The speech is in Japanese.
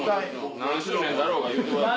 何周年だろうが言うてください。